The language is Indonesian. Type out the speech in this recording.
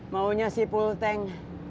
maunya si full tank